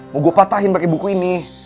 mau gue patahin pakai buku ini